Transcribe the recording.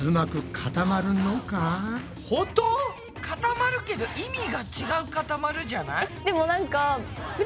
固まるけど意味がちがう固まるじゃない？